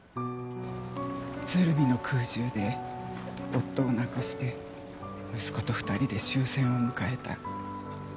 鶴見の空襲で夫を亡くして息子と２人で終戦を迎えた。